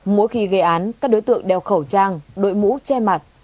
mỗi khi gây án các đối tượng đeo khẩu trang đội mũ che mặt